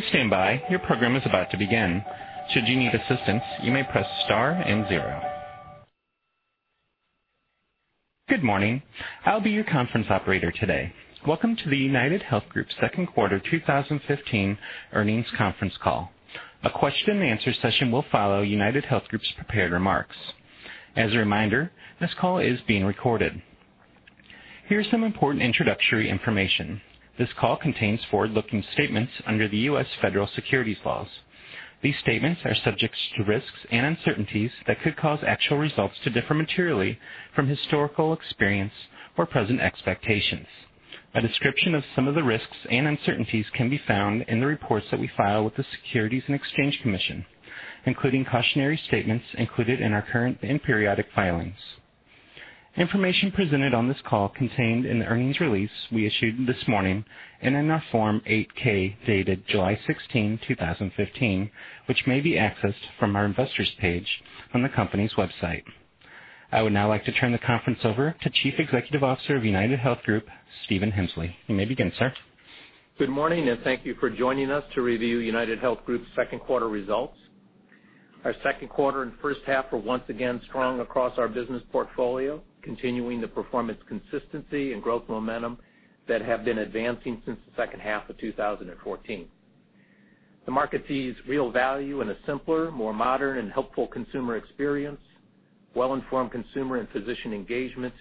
Please stand by. Your program is about to begin. Should you need assistance, you may press star and zero. Good morning. I'll be your conference operator today. Welcome to the UnitedHealth Group second quarter 2015 earnings conference call. A question-and-answer session will follow UnitedHealth Group's prepared remarks. As a reminder, this call is being recorded. Here is some important introductory information. This call contains forward-looking statements under the U.S. Federal Securities laws. These statements are subject to risks and uncertainties that could cause actual results to differ materially from historical experience or present expectations. A description of some of the risks and uncertainties can be found in the reports that we file with the Securities and Exchange Commission, including cautionary statements included in our current and periodic filings. Information presented on this call contained in the earnings release we issued this morning and in our Form 8-K, dated July 16, 2015, which may be accessed from our investors page on the company's website. I would now like to turn the conference over to Chief Executive Officer of UnitedHealth Group, Stephen Hemsley. You may begin, sir. Good morning. Thank you for joining us to review UnitedHealth Group's second quarter results. Our second quarter and first half were once again strong across our business portfolio, continuing the performance consistency and growth momentum that have been advancing since the second half of 2014. The market sees real value in a simpler, more modern, and helpful consumer experience, well-informed consumer and physician engagement,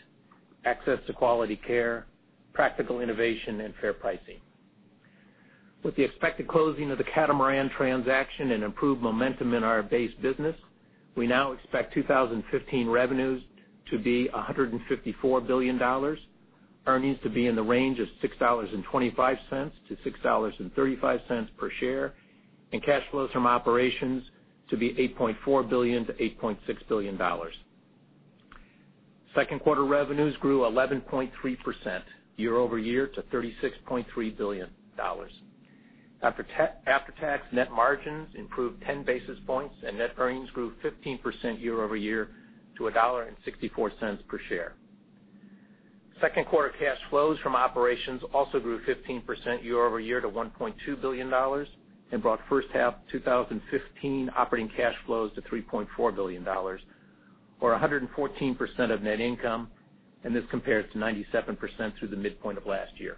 access to quality care, practical innovation, and fair pricing. With the expected closing of the Catamaran transaction and improved momentum in our base business, we now expect 2015 revenues to be $154 billion, earnings to be in the range of $6.25-$6.35 per share, and cash flows from operations to be $8.4 billion-$8.6 billion. Second quarter revenues grew 11.3% year-over-year to $36.3 billion. After-tax net margins improved 10 basis points. Net earnings grew 15% year-over-year to $1.64 per share. Second-quarter cash flows from operations also grew 15% year-over-year to $1.2 billion and brought first half 2015 operating cash flows to $3.4 billion or 114% of net income. This compares to 97% through the midpoint of last year.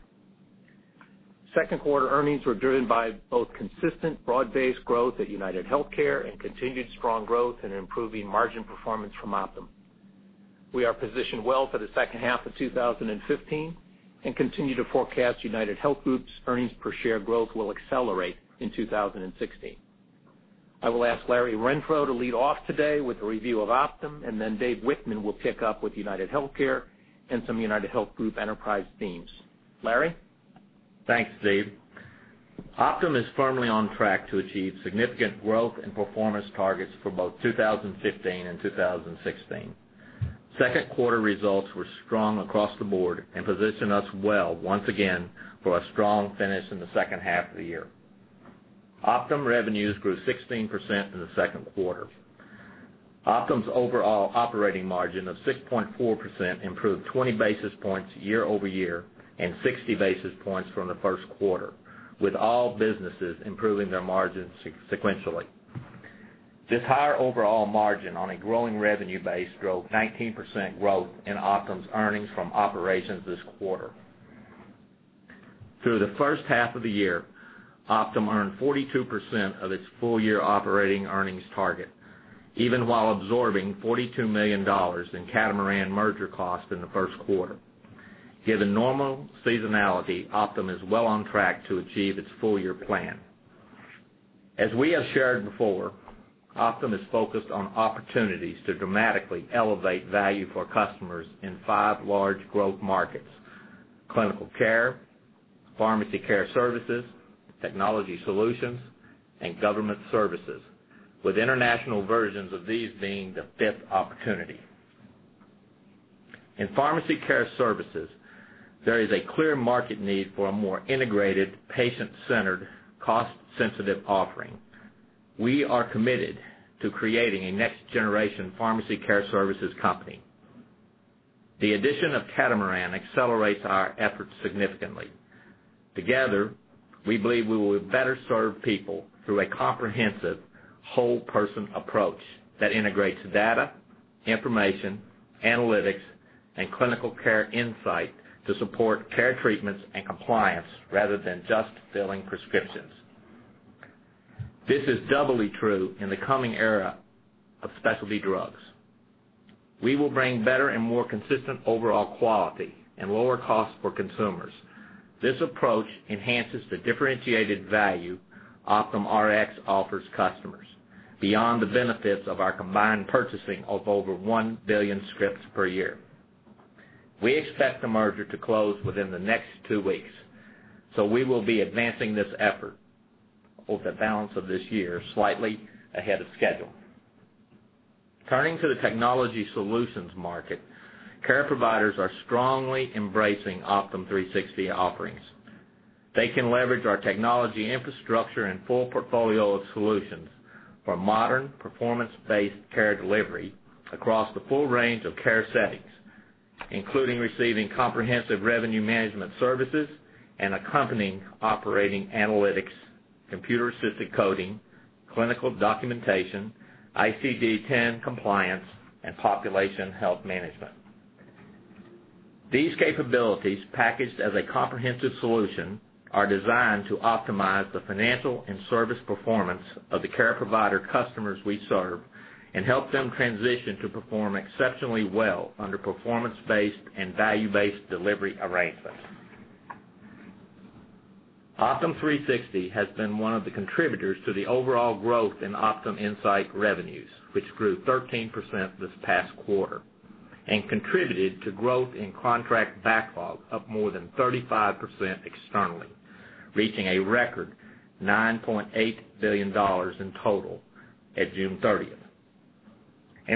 Second-quarter earnings were driven by both consistent broad-based growth at UnitedHealthcare and continued strong growth and improving margin performance from Optum. We are positioned well for the second half of 2015 and continue to forecast UnitedHealth Group's earnings per share growth will accelerate in 2016. I will ask Larry Renfro to lead off today with a review of Optum. Dave Wichmann will pick up with UnitedHealthcare and some UnitedHealth Group enterprise themes. Larry? Thanks, Dave. Optum is firmly on track to achieve significant growth and performance targets for both 2015 and 2016. Second quarter results were strong across the board and position us well once again for a strong finish in the second half of the year. Optum revenues grew 16% in the second quarter. Optum's overall operating margin of 6.4% improved 20 basis points year over year and 60 basis points from the first quarter, with all businesses improving their margins sequentially. This higher overall margin on a growing revenue base drove 19% growth in Optum's earnings from operations this quarter. Through the first half of the year, Optum earned 42% of its full-year operating earnings target, even while absorbing $42 million in Catamaran merger cost in the first quarter. Given normal seasonality, Optum is well on track to achieve its full-year plan. As we have shared before, Optum is focused on opportunities to dramatically elevate value for customers in five large growth markets: clinical care, pharmacy care services, technology solutions, and government services, with international versions of these being the fifth opportunity. In pharmacy care services, there is a clear market need for a more integrated, patient-centered, cost-sensitive offering. We are committed to creating a next-generation pharmacy care services company. The addition of Catamaran accelerates our efforts significantly. Together, we believe we will better serve people through a comprehensive whole-person approach that integrates data, information, analytics, and clinical care insight to support care treatments and compliance rather than just filling prescriptions. This is doubly true in the coming era of specialty drugs. We will bring better and more consistent overall quality and lower costs for consumers. This approach enhances the differentiated value Optum Rx offers customers beyond the benefits of our combined purchasing of over one billion scripts per year. We expect the merger to close within the next two weeks. We will be advancing this effort over the balance of this year, slightly ahead of schedule. Turning to the technology solutions market, care providers are strongly embracing Optum360 offerings. They can leverage our technology infrastructure and full portfolio of solutions for modern performance-based care delivery across the full range of care settings, including receiving comprehensive revenue management services and accompanying operating analytics, computer-assisted coding, clinical documentation, ICD-10 compliance, and population health management. These capabilities, packaged as a comprehensive solution, are designed to optimize the financial and service performance of the care provider customers we serve and help them transition to perform exceptionally well under performance-based and value-based delivery arrangements. Optum360 has been one of the contributors to the overall growth in Optum Insight revenues, which grew 13% this past quarter and contributed to growth in contract backlog of more than 35% externally, reaching a record $9.8 billion in total at June 30th.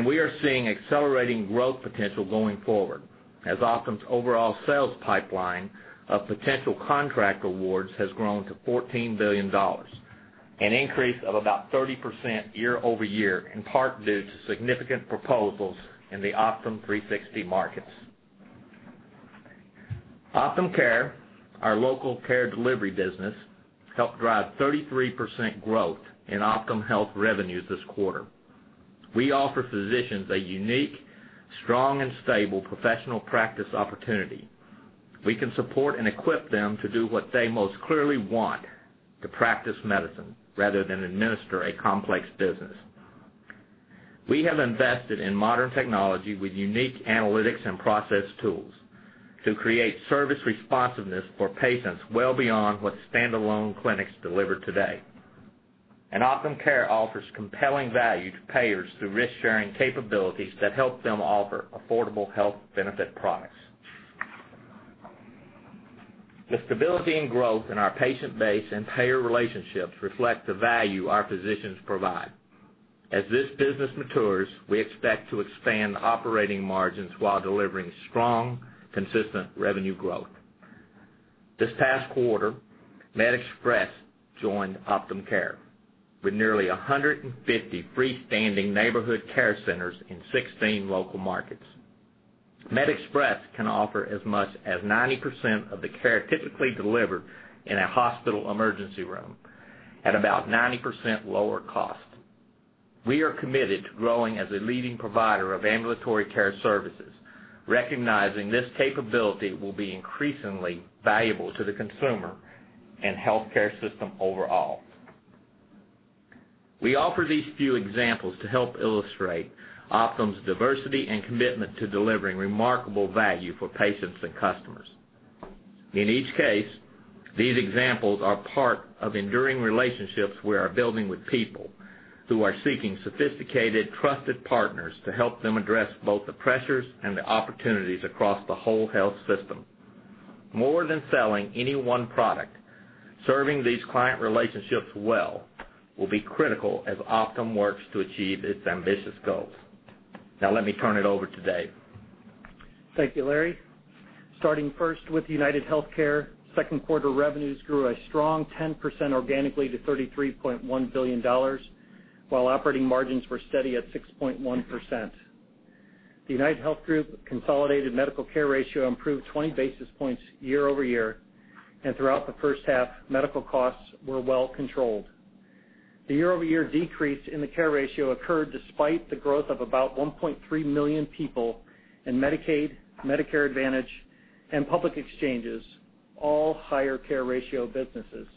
We are seeing accelerating growth potential going forward as Optum's overall sales pipeline of potential contract awards has grown to $14 billion, an increase of about 30% year-over-year, in part due to significant proposals in the Optum360 markets. Optum Care, our local care delivery business, helped drive 33% growth in Optum Health revenues this quarter. We offer physicians a unique, strong, and stable professional practice opportunity. We can support and equip them to do what they most clearly want, to practice medicine rather than administer a complex business. We have invested in modern technology with unique analytics and process tools to create service responsiveness for patients well beyond what standalone clinics deliver today. Optum Care offers compelling value to payers through risk-sharing capabilities that help them offer affordable health benefit products. The stability and growth in our patient base and payer relationships reflect the value our physicians provide. As this business matures, we expect to expand operating margins while delivering strong, consistent revenue growth. This past quarter, MedExpress joined Optum Care with nearly 150 freestanding neighborhood care centers in 16 local markets. MedExpress can offer as much as 90% of the care typically delivered in a hospital emergency room at about 90% lower cost. We are committed to growing as a leading provider of ambulatory care services, recognizing this capability will be increasingly valuable to the consumer and healthcare system overall. We offer these few examples to help illustrate Optum's diversity and commitment to delivering remarkable value for patients and customers. In each case, these examples are part of enduring relationships we are building with people who are seeking sophisticated, trusted partners to help them address both the pressures and the opportunities across the whole health system. More than selling any one product, serving these client relationships well will be critical as Optum works to achieve its ambitious goals. Now let me turn it over to Dave. Thank you, Larry. Starting first with UnitedHealthcare, second quarter revenues grew a strong 10% organically to $33.1 billion, while operating margins were steady at 6.1%. The UnitedHealth Group consolidated medical care ratio improved 20 basis points year-over-year. Throughout the first half, medical costs were well controlled. The year-over-year decrease in the care ratio occurred despite the growth of about 1.3 million people in Medicaid, Medicare Advantage, and public exchanges, all higher care ratio businesses.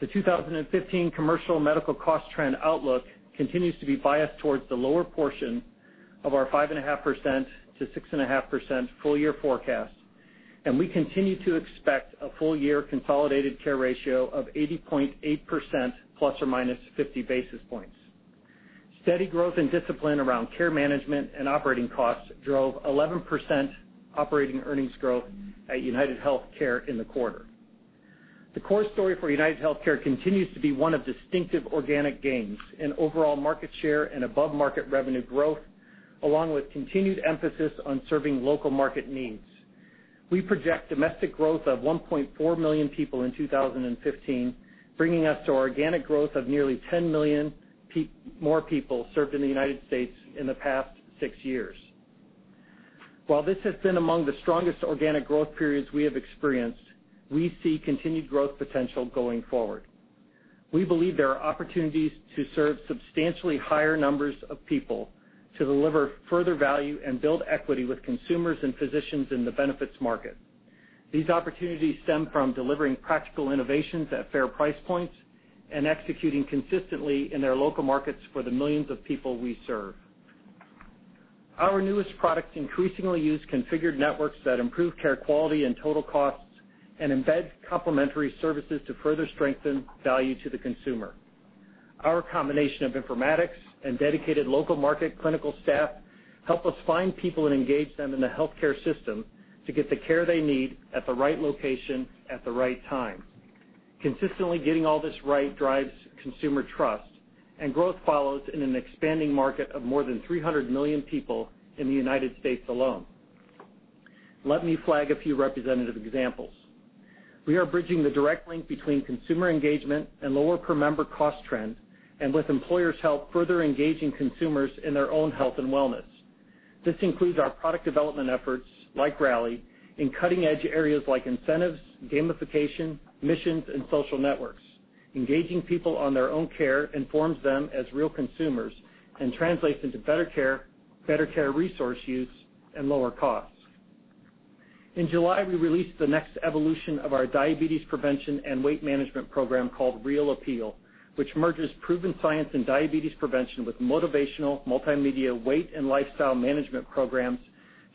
The 2015 commercial medical cost trend outlook continues to be biased towards the lower portion of our 5.5%-6.5% full-year forecast. We continue to expect a full-year consolidated care ratio of 80.8% ±50 basis points. Steady growth and discipline around care management and operating costs drove 11% operating earnings growth at UnitedHealthcare in the quarter. The core story for UnitedHealthcare continues to be one of distinctive organic gains in overall market share and above-market revenue growth, along with continued emphasis on serving local market needs. We project domestic growth of 1.4 million people in 2015, bringing us to organic growth of nearly 10 million more people served in the U.S. in the past six years. While this has been among the strongest organic growth periods we have experienced, we see continued growth potential going forward. We believe there are opportunities to serve substantially higher numbers of people to deliver further value and build equity with consumers and physicians in the benefits market. These opportunities stem from delivering practical innovations at fair price points and executing consistently in their local markets for the millions of people we serve. Our newest products increasingly use configured networks that improve care quality and total costs and embed complementary services to further strengthen value to the consumer. Our combination of informatics and dedicated local market clinical staff help us find people and engage them in the healthcare system to get the care they need at the right location, at the right time. Consistently getting all this right drives consumer trust, growth follows in an expanding market of more than 300 million people in the U.S. alone. Let me flag a few representative examples. We are bridging the direct link between consumer engagement and lower per member cost trend, with employers' help, further engaging consumers in their own health and wellness. This includes our product development efforts, like Rally, in cutting-edge areas like incentives, gamification, missions, and social networks. Engaging people on their own care informs them as real consumers and translates into better care, better care resource use, and lower costs. In July, we released the next evolution of our diabetes prevention and weight management program called Real Appeal, which merges proven science in diabetes prevention with motivational multimedia weight and lifestyle management programs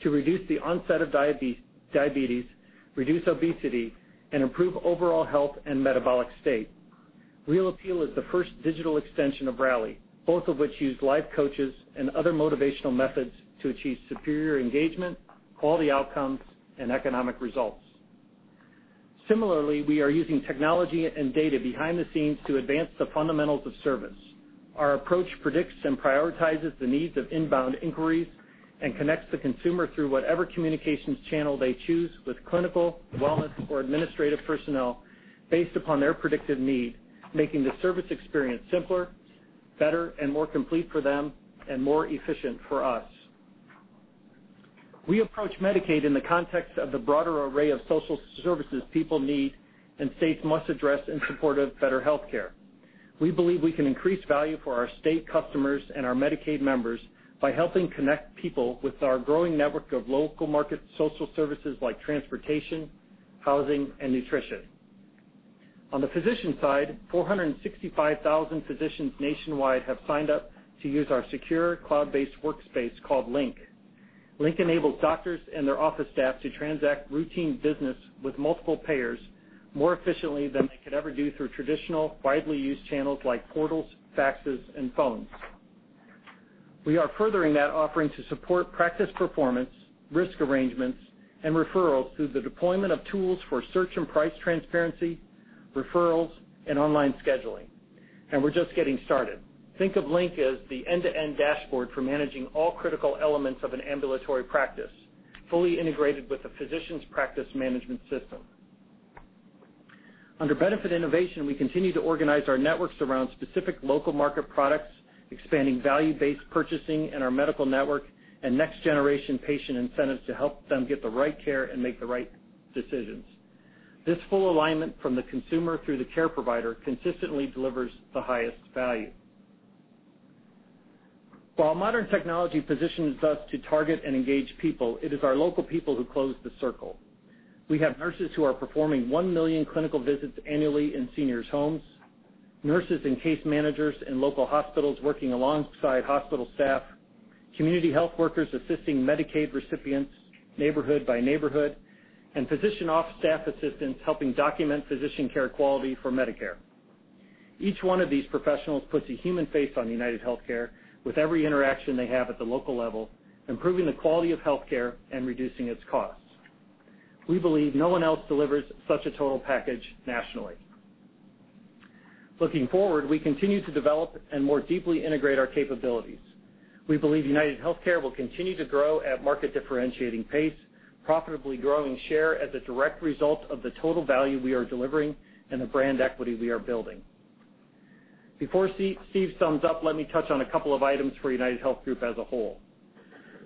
to reduce the onset of diabetes, reduce obesity and improve overall health and metabolic state. Real Appeal is the first digital extension of Rally, both of which use life coaches and other motivational methods to achieve superior engagement, quality outcomes, and economic results. Similarly, we are using technology and data behind the scenes to advance the fundamentals of service. Our approach predicts and prioritizes the needs of inbound inquiries and connects the consumer through whatever communications channel they choose with clinical, wellness, or administrative personnel based upon their predicted need, making the service experience simpler, better, and more complete for them and more efficient for us. We approach Medicaid in the context of the broader array of social services people need and states must address in support of better healthcare. We believe we can increase value for our state customers and our Medicaid members by helping connect people with our growing network of local market social services like transportation, housing, and nutrition. On the physician side, 465,000 physicians nationwide have signed up to use our secure cloud-based workspace called Link. Link enables doctors and their office staff to transact routine business with multiple payers more efficiently than they could ever do through traditional widely used channels like portals, faxes, and phones. We are furthering that offering to support practice performance, risk arrangements, and referrals through the deployment of tools for search and price transparency, referrals, and online scheduling. We're just getting started. Think of Link as the end-to-end dashboard for managing all critical elements of an ambulatory practice, fully integrated with the physician's practice management system. Under benefit innovation, we continue to organize our networks around specific local market products, expanding value-based purchasing in our medical network and next-generation patient incentives to help them get the right care and make the right decisions. This full alignment from the consumer through the care provider consistently delivers the highest value. While modern technology positions us to target and engage people, it is our local people who close the circle. We have nurses who are performing 1 million clinical visits annually in seniors' homes, nurses and case managers in local hospitals working alongside hospital staff, community health workers assisting Medicaid recipients neighborhood by neighborhood, and physician office staff assistants helping document physician care quality for Medicare. Each one of these professionals puts a human face on UnitedHealthcare with every interaction they have at the local level, improving the quality of healthcare and reducing its costs. We believe no one else delivers such a total package nationally. Looking forward, we continue to develop and more deeply integrate our capabilities. We believe UnitedHealthcare will continue to grow at market-differentiating pace, profitably growing share as a direct result of the total value we are delivering and the brand equity we are building. Before Steve sums up, let me touch on a couple of items for UnitedHealth Group as a whole.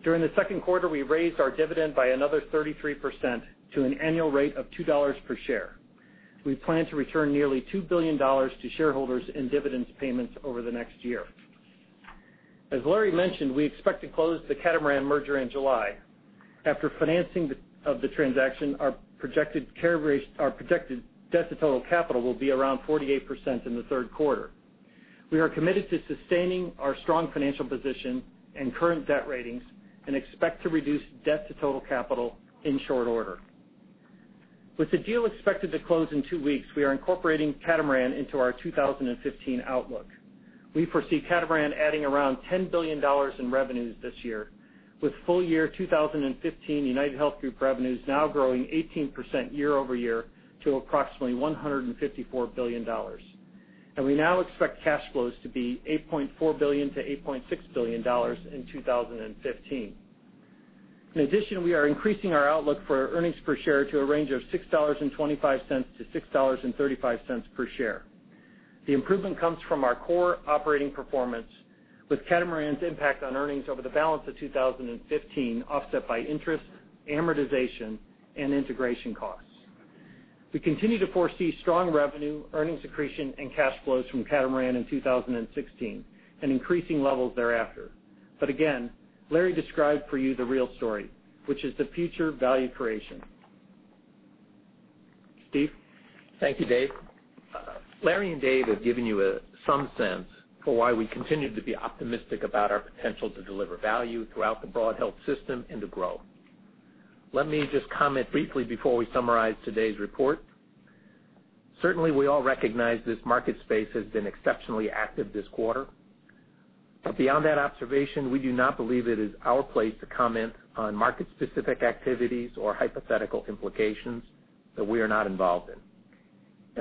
During the second quarter, we raised our dividend by another 33% to an annual rate of $2 per share. We plan to return nearly $2 billion to shareholders in dividends payments over the next year. As Larry mentioned, we expect to close the Catamaran merger in July. After financing of the transaction, our projected debt to total capital will be around 48% in the third quarter. We are committed to sustaining our strong financial position and current debt ratings and expect to reduce debt to total capital in short order. With the deal expected to close in two weeks, we are incorporating Catamaran into our 2015 outlook. We foresee Catamaran adding around $10 billion in revenues this year, with full-year 2015 UnitedHealth Group revenues now growing 18% year-over-year to approximately $154 billion. We now expect cash flows to be $8.4 billion to $8.6 billion in 2015. In addition, we are increasing our outlook for earnings per share to a range of $6.25 to $6.35 per share. The improvement comes from our core operating performance with Catamaran's impact on earnings over the balance of 2015 offset by interest, amortization, and integration costs. We continue to foresee strong revenue, earnings accretion, and cash flows from Catamaran in 2016 and increasing levels thereafter. Again, Larry described for you the real story, which is the future value creation. Steve? Thank you, Dave. Larry and Dave have given you some sense for why we continue to be optimistic about our potential to deliver value throughout the broad health system and to grow. Let me just comment briefly before we summarize today's report. Certainly, we all recognize this market space has been exceptionally active this quarter. Beyond that observation, we do not believe it is our place to comment on market-specific activities or hypothetical implications that we are not involved in.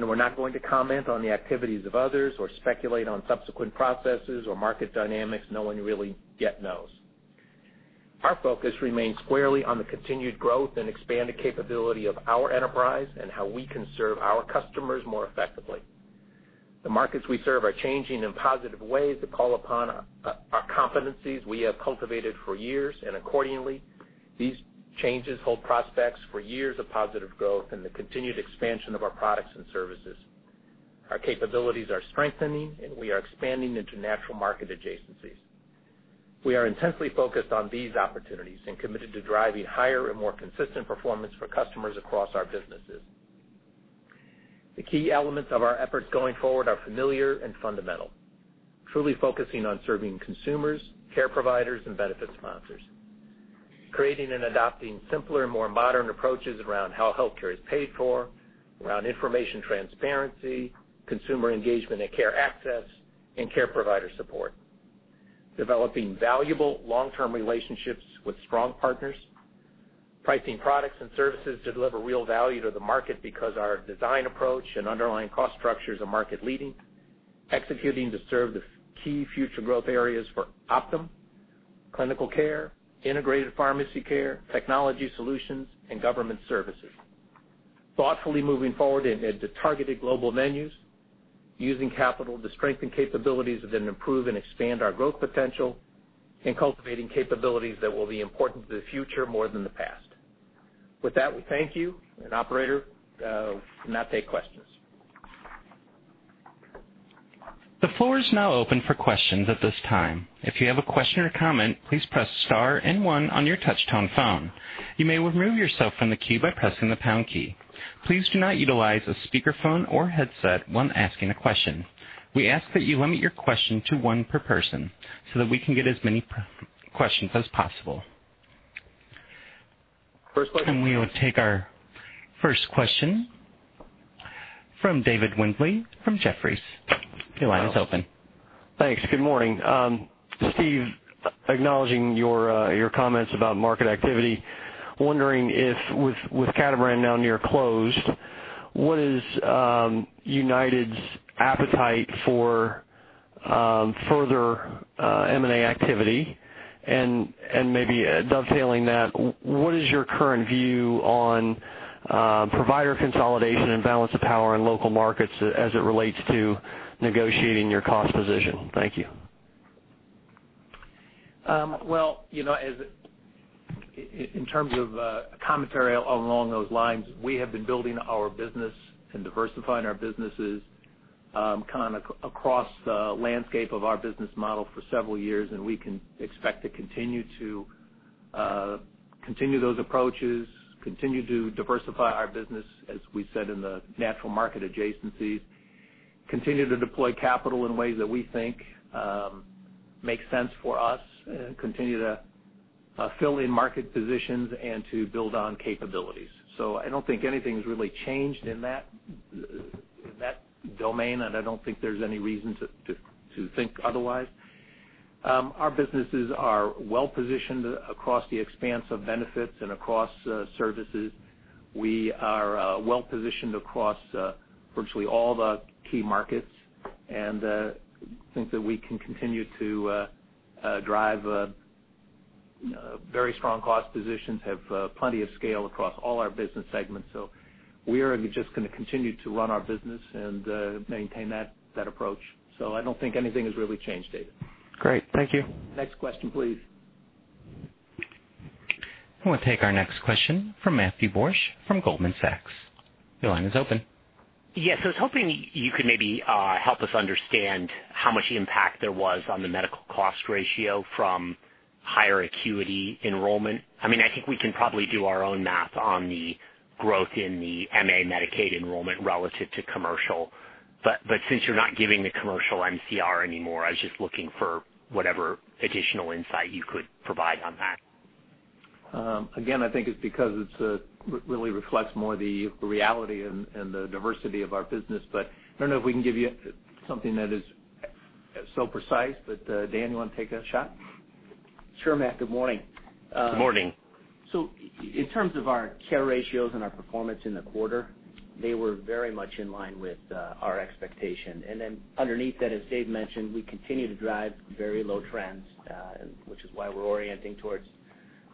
We're not going to comment on the activities of others or speculate on subsequent processes or market dynamics no one really yet knows. Our focus remains squarely on the continued growth and expanded capability of our enterprise and how we can serve our customers more effectively. The markets we serve are changing in positive ways that call upon our competencies we have cultivated for years, and accordingly, these changes hold prospects for years of positive growth and the continued expansion of our products and services. Our capabilities are strengthening, and we are expanding into natural market adjacencies. We are intensely focused on these opportunities and committed to driving higher and more consistent performance for customers across our businesses. The key elements of our efforts going forward are familiar and fundamental, truly focusing on serving consumers, care providers, and benefit sponsors. Creating and adopting simpler and more modern approaches around how healthcare is paid for, around information transparency, consumer engagement and care access, and care provider support. Developing valuable long-term relationships with strong partners, pricing products and services to deliver real value to the market because our design approach and underlying cost structures are market leading, executing to serve the key future growth areas for Optum, clinical care, integrated pharmacy care, technology solutions, and government services. Thoughtfully moving forward into targeted global menus, using capital to strengthen capabilities and then improve and expand our growth potential, and cultivating capabilities that will be important to the future more than the past. With that, we thank you, and operator, we'll now take questions. The floor is now open for questions at this time. If you have a question or comment, please press star and one on your touch-tone phone. You may remove yourself from the queue by pressing the pound key. Please do not utilize a speakerphone or headset when asking a question. We ask that you limit your question to one per person so that we can get as many questions as possible. First question. We will take our first question from David Windley from Jefferies. Your line is open. Thanks. Good morning. Steve, acknowledging your comments about market activity, wondering if with Catamaran now near closed, what is United's appetite for further M&A activity? Maybe dovetailing that, what is your current view on provider consolidation and balance of power in local markets as it relates to negotiating your cost position? Thank you. Well, in terms of commentary along those lines, we have been building our business and diversifying our businesses kind of across the landscape of our business model for several years, we can expect to continue those approaches, continue to diversify our business as we said in the natural market adjacencies, continue to deploy capital in ways that we think make sense for us, continue to fill in market positions and to build on capabilities. I don't think anything's really changed in that domain, I don't think there's any reason to think otherwise. Our businesses are well-positioned across the expanse of benefits and across services. We are well-positioned across virtually all the key markets and think that we can continue to drive very strong cost positions, have plenty of scale across all our business segments. We are just going to continue to run our business and maintain that approach. I don't think anything has really changed, David. Great. Thank you. Next question, please. I want to take our next question from Matthew Borsch from Goldman Sachs. Your line is open. Yes. I was hoping you could maybe help us understand how much impact there was on the medical cost ratio from higher acuity enrollment. I think we can probably do our own math on the growth in the MA Medicaid enrollment relative to commercial. Since you're not giving the commercial MCR anymore, I was just looking for whatever additional insight you could provide on that. I think it's because it really reflects more the reality and the diversity of our business. I don't know if we can give you something that is so precise, but Dan, you want to take a shot? Sure, Matt. Good morning. Good morning. In terms of our care ratios and our performance in the quarter, they were very much in line with our expectation. Underneath that, as Dave mentioned, we continue to drive very low trends, which is why we're orienting towards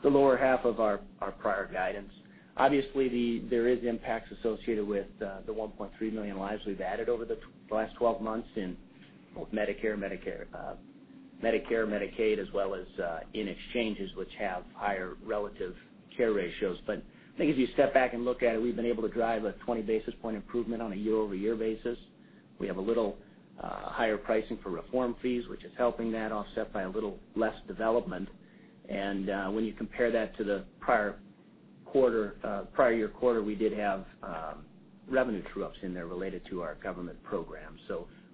the lower half of our prior guidance. Obviously, there is impacts associated with the 1.3 million lives we've added over the last 12 months in both Medicare, Medicaid, as well as in exchanges which have higher relative care ratios. I think if you step back and look at it, we've been able to drive a 20 basis point improvement on a year-over-year basis. We have a little higher pricing for reform fees, which is helping that offset by a little less development. When you compare that to the prior year quarter, we did have revenue true-ups in there related to our government program.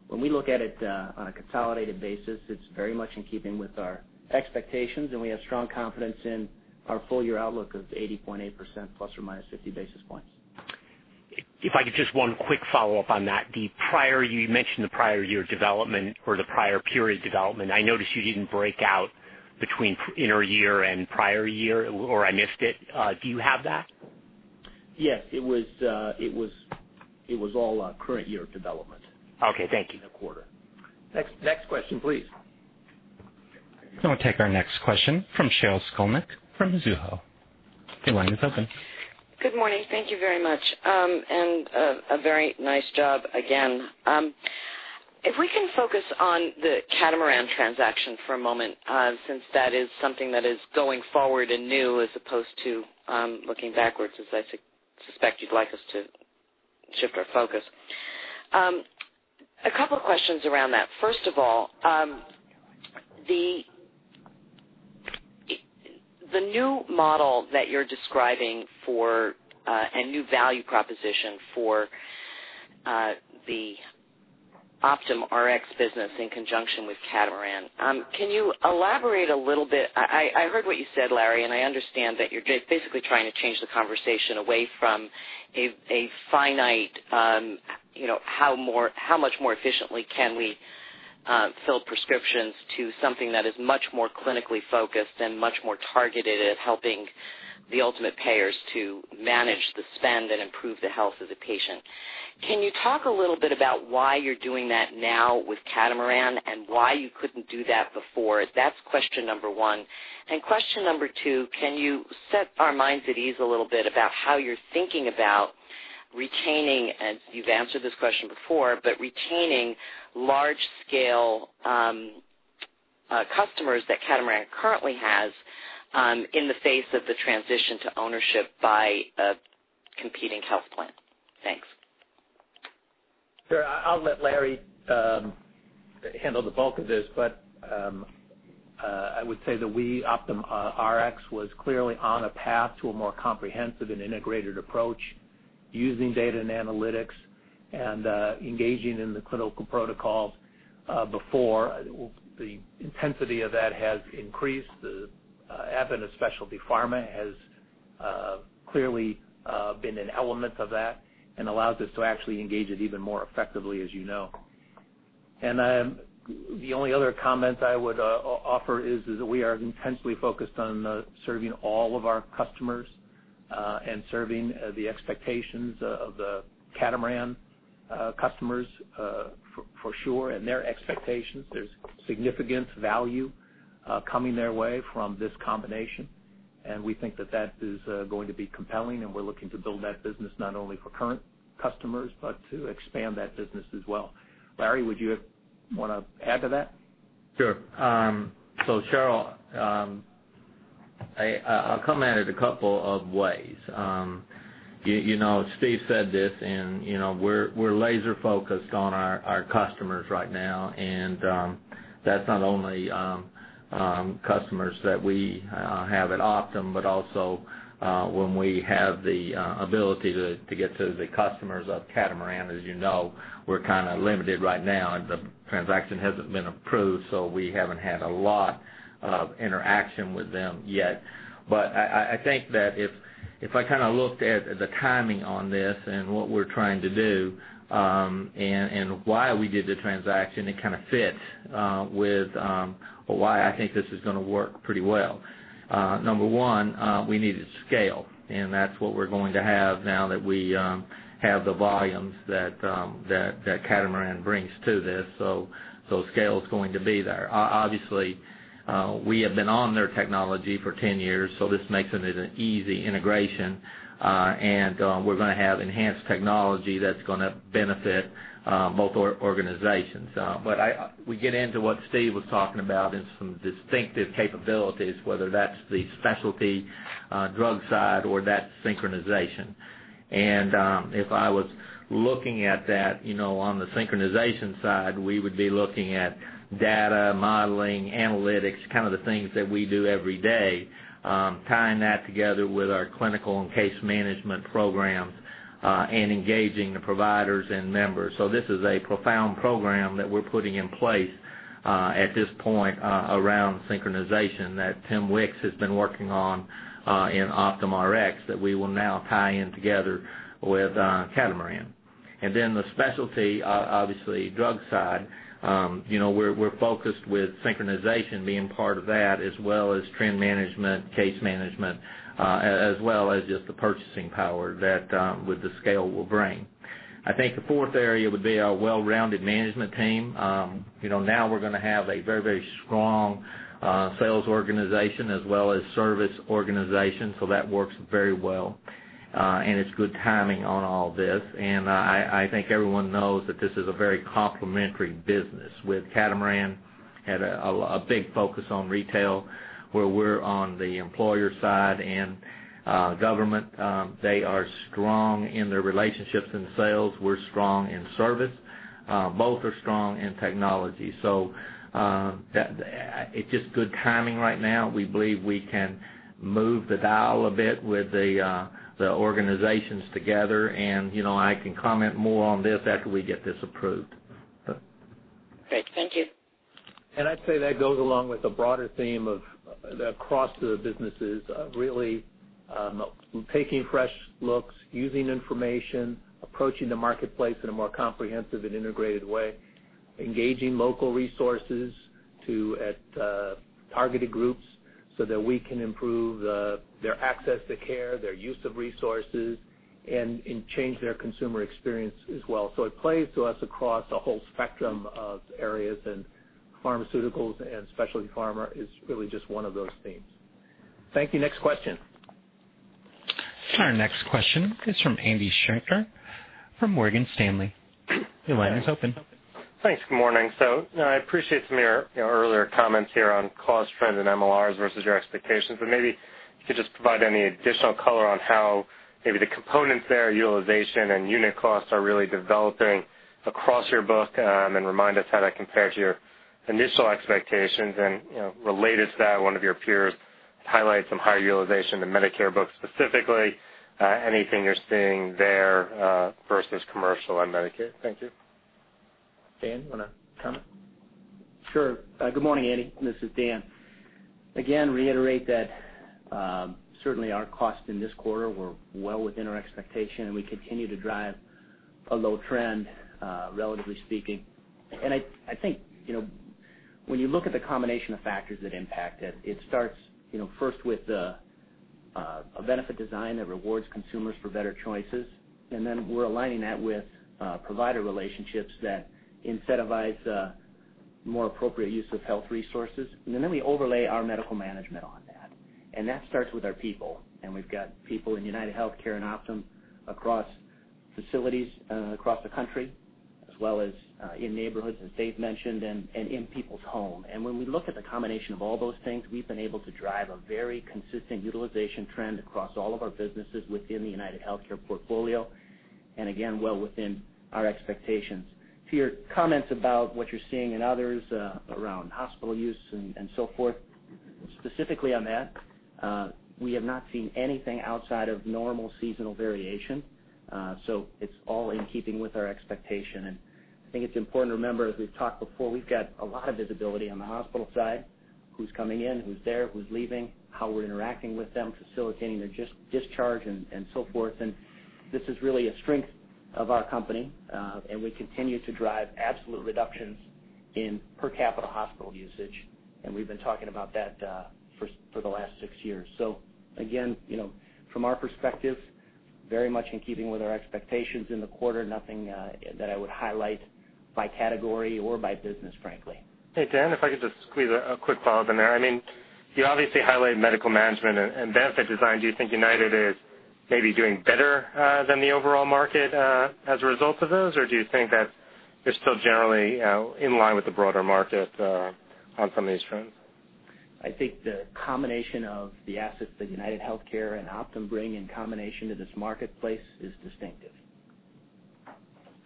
When we look at it on a consolidated basis, it's very much in keeping with our expectations, and we have strong confidence in our full year outlook of 80.8% ±50 basis points. If I could just one quick follow-up on that. You mentioned the prior year development or the prior period development. I noticed you didn't break out between inner year and prior year, or I missed it. Do you have that? Yes, it was all current year development. Okay, thank you. In the quarter. Next question, please. I'll take our next question from Sheryl Skolnick from Mizuho. Your line is open. Good morning. Thank you very much, a very nice job again. If we can focus on the Catamaran transaction for a moment, since that is something that is going forward and new, as opposed to looking backwards, as I suspect you'd like us to shift our focus. A couple questions around that. First of all, the new model that you're describing, and new value proposition for the Optum Rx business in conjunction with Catamaran. Can you elaborate a little bit? I heard what you said, Larry, and I understand that you're basically trying to change the conversation away from a finite, how much more efficiently can we fill prescriptions to something that is much more clinically focused and much more targeted at helping the ultimate payers to manage the spend and improve the health of the patient. Can you talk a little bit about why you're doing that now with Catamaran, and why you couldn't do that before? That's question number one. Question number two, can you set our minds at ease a little bit about how you're thinking about retaining, and you've answered this question before, but retaining large scale customers that Catamaran currently has, in the face of the transition to ownership by a competing health plan? Thanks. Sure. I'll let Larry handle the bulk of this, but I would say that we, Optum Rx, was clearly on a path to a more comprehensive and integrated approach using data and analytics and engaging in the clinical protocols, before. The intensity of that has increased. The advent of specialty pharma has clearly been an element of that and allows us to actually engage it even more effectively, as you know. The only other comment I would offer is that we are intensely focused on serving all of our customers, and serving the expectations of the Catamaran customers, for sure, and their expectations. There's significant value coming their way from this combination, and we think that that is going to be compelling, and we're looking to build that business, not only for current customers, but to expand that business as well. Larry, would you want to add to that? Sure. Sheryl, I'll come at it a couple of ways. Steve said this, and we're laser focused on our customers right now, and that's not only customers that we have at Optum, but also when we have the ability to get to the customers of Catamaran. As you know, we're kind of limited right now, and the transaction hasn't been approved, so we haven't had a lot of interaction with them yet. I think that if I looked at the timing on this and what we're trying to do, and why we did the transaction, it kind of fits with why I think this is going to work pretty well. Number one, we needed scale, and that's what we're going to have now that we have the volumes that Catamaran brings to this. Scale is going to be there. Obviously, we have been on their technology for 10 years, so this makes it an easy integration. We're going to have enhanced technology that's going to benefit both organizations. We get into what Steve was talking about in some distinctive capabilities, whether that's the specialty drug side or that synchronization. If I was looking at that on the synchronization side, we would be looking at data modeling, analytics, kind of the things that we do every day, tying that together with our clinical and case management programs, and engaging the providers and members. This is a profound program that we're putting in place, at this point, around synchronization that Tim Wicks has been working on, in Optum Rx, that we will now tie in together with Catamaran. Then the specialty, obviously, drug side. We're focused with synchronization being part of that, as well as trend management, case management, as well as just the purchasing power that with the scale will bring. I think the fourth area would be a well-rounded management team. Now we're going to have a very strong sales organization as well as service organization, so that works very well. It's good timing on all this, and I think everyone knows that this is a very complementary business with Catamaran, had a big focus on retail, where we're on the employer side and government. They are strong in their relationships and sales. We're strong in service. Both are strong in technology. It's just good timing right now. We believe we can move the dial a bit with the organizations together, and I can comment more on this after we get this approved. Great. Thank you. I'd say that goes along with the broader theme of across the businesses, really, taking fresh looks, using information, approaching the marketplace in a more comprehensive and integrated way. Engaging local resources to targeted groups so that we can improve their access to care, their use of resources, and change their consumer experience as well. It plays to us across a whole spectrum of areas, and pharmaceuticals and specialty pharma is really just one of those themes. Thank you. Next question. Our next question is from Andy Schenker from Morgan Stanley. Your line is open. Thanks. Good morning. I appreciate some of your earlier comments here on cost trends and MLRs versus your expectations, but maybe you could just provide any additional color on how maybe the components there, utilization and unit costs, are really developing across your book, and remind us how that compares to your initial expectations. Related to that, one of your peers highlighted some high utilization in the Medicare book specifically. Anything you're seeing there versus commercial and Medicare? Thank you. Dan, you want to comment? Sure. Good morning, Andy. This is Dan. Reiterate that certainly our costs in this quarter were well within our expectation, and we continue to drive a low trend, relatively speaking. I think, when you look at the combination of factors that impact it starts first with a benefit design that rewards consumers for better choices, then we're aligning that with provider relationships that incentivize more appropriate use of health resources. Then we overlay our medical management on that starts with our people. We've got people in UnitedHealthcare and Optum across facilities across the country, as well as in neighborhoods, as Dave mentioned, and in people's home. When we look at the combination of all those things, we've been able to drive a very consistent utilization trend across all of our businesses within the UnitedHealthcare portfolio, and again, well within our expectations. To your comments about what you're seeing in others around hospital use and so forth, specifically on that, we have not seen anything outside of normal seasonal variation. It's all in keeping with our expectation. I think it's important to remember, as we've talked before, we've got a lot of visibility on the hospital side, who's coming in, who's there, who's leaving, how we're interacting with them, facilitating their discharge and so forth. This is really a strength of our company, and we continue to drive absolute reductions in per capita hospital usage, and we've been talking about that for the last six years. Again, from our perspective, very much in keeping with our expectations in the quarter, nothing that I would highlight by category or by business, frankly. Hey, Dan, if I could just squeeze a quick follow-up in there. You obviously highlighted medical management and benefit design. Do you think United is maybe doing better than the overall market as a result of those, or do you think that you're still generally in line with the broader market on some of these trends? I think the combination of the assets that UnitedHealthcare and Optum bring in combination to this marketplace is distinctive.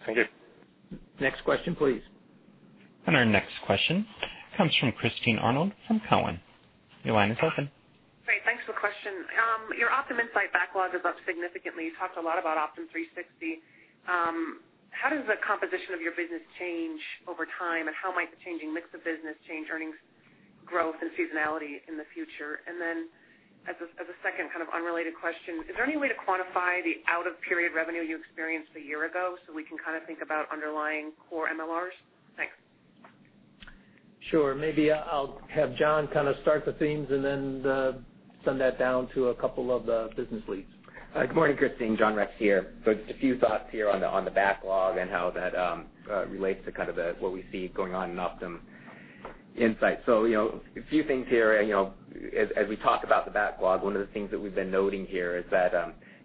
Thank you. Next question, please. Our next question comes from Christine Arnold from Cowen. Your line is open. Great. Thanks for the question. Your Optum Insight backlog is up significantly. You talked a lot about Optum360. How does the composition of your business change over time, and how might the changing mix of business change earnings growth and seasonality in the future? As a second kind of unrelated question, is there any way to quantify the out-of-period revenue you experienced a year ago so we can think about underlying core MLRs? Thanks. Sure. Maybe I'll have John start the themes and then send that down to a couple of the business leads. Good morning, Christine. John Rex here. Just a few thoughts here on the backlog and how that relates to what we see going on in Optum Insight. A few things here. As we talk about the backlog, one of the things that we've been noting here is that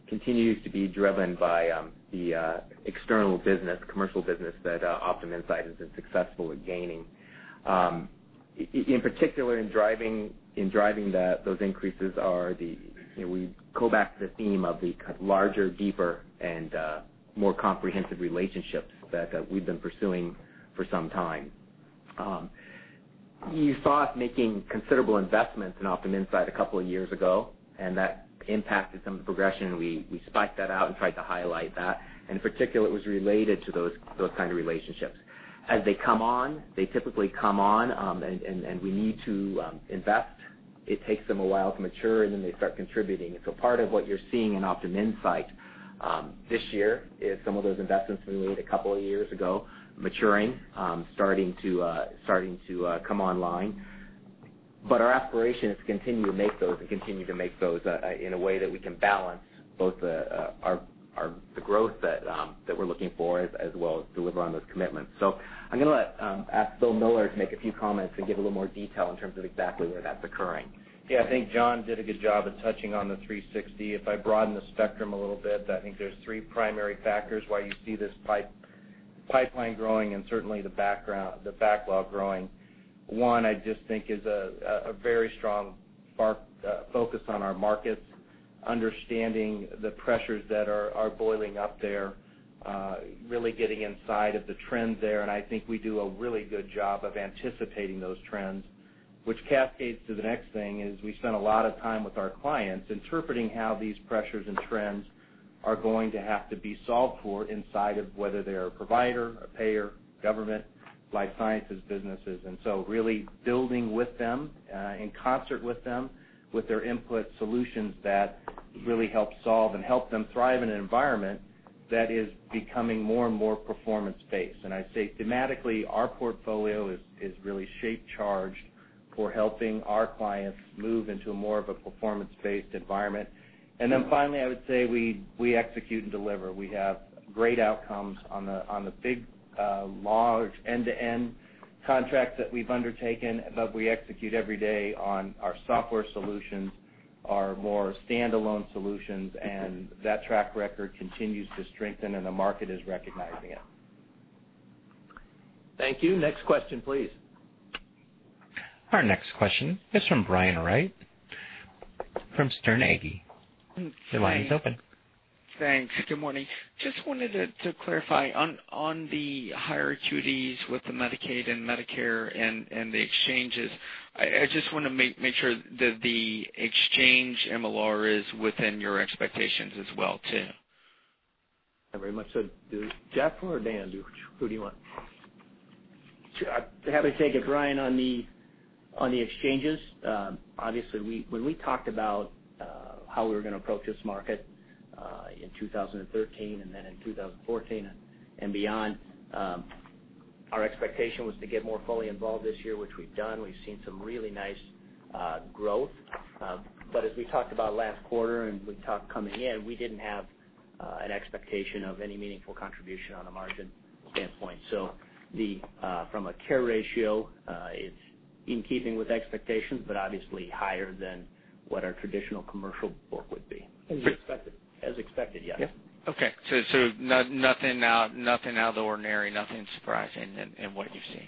continues to be driven by the external business, commercial business that Optum Insight has been successful at gaining. In particular, in driving those increases are the, we go back to the theme of the larger, deeper, and more comprehensive relationships that we've been pursuing for some time. You saw us making considerable investments in Optum Insight a couple of years ago, and that impacted some of the progression. We spiked that out and tried to highlight that. In particular, it was related to those kind of relationships. As they come on, they typically come on and we need to invest. It takes them a while to mature, and then they start contributing. Part of what you're seeing in Optum Insight this year is some of those investments we made a couple of years ago maturing, starting to come online. Our aspiration is to continue to make those in a way that we can balance both the growth that we're looking for as well as deliver on those commitments. I'm going to ask Bill Miller to make a few comments and give a little more detail in terms of exactly where that's occurring. Yeah. I think John did a good job of touching on the 360. If I broaden the spectrum a little bit, I think there's three primary factors why you see this pipeline growing and certainly the backlog growing. One, I just think is a very strong focus on our markets, understanding the pressures that are boiling up there, really getting inside of the trends there. I think we do a really good job of anticipating those trends, which cascades to the next thing, is we spend a lot of time with our clients interpreting how these pressures and trends are going to have to be solved for inside of whether they're a provider, a payer, government, life sciences businesses. Really building with them, in concert with them, with their input, solutions that really help solve and help them thrive in an environment that is becoming more and more performance-based. I'd say thematically, our portfolio is really shaped charged For helping our clients move into more of a performance-based environment. Finally, I would say we execute and deliver. We have great outcomes on the big large end-to-end contracts that we've undertaken, we execute every day on our software solutions, our more standalone solutions, and that track record continues to strengthen, and the market is recognizing it. Thank you. Next question, please. Our next question is from Brian Wright from Sterne Agee. Your line is open. Thanks. Good morning. Just wanted to clarify on the higher acuities with the Medicaid and Medicare and the exchanges. I just want to make sure that the exchange MLR is within your expectations as well too. I very much so do. Jeff or Dan, who do you want? Happy to take it, Brian, on the exchanges. Obviously, when we talked about how we were going to approach this market, in 2013 and then in 2014 and beyond, our expectation was to get more fully involved this year, which we've done. We've seen some really nice growth. As we talked about last quarter and we've talked coming in, we didn't have an expectation of any meaningful contribution on a margin standpoint. From a care ratio, it's in keeping with expectations, but obviously higher than what our traditional commercial book would be. As expected. As expected, yes. Okay. Nothing out of the ordinary, nothing surprising in what you've seen.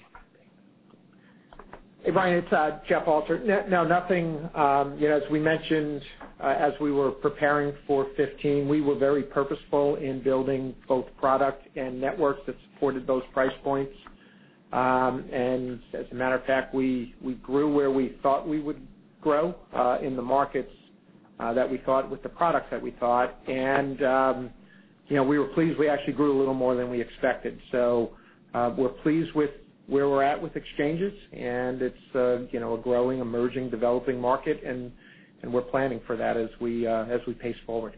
Hey, Brian, it's Jeff Alter. No, nothing. As we mentioned, as we were preparing for 2015, we were very purposeful in building both product and networks that supported those price points. As a matter of fact, we grew where we thought we would grow, in the markets that we thought with the products that we thought. We were pleased we actually grew a little more than we expected. We're pleased with where we're at with exchanges, and it's a growing, emerging, developing market, and we're planning for that as we pace forward.